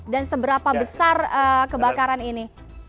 dan seberapa besar kebakaran ini